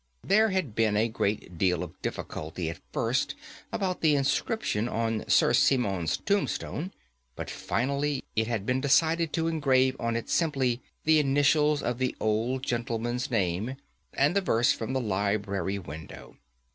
There had been a great deal of difficulty at first about the inscription on Sir Simon's tombstone, but finally it had been decided to engrave on it simply the initials of the old gentleman's name, and the verse from the library window.